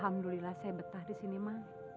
alhamdulillah saya betah disini ma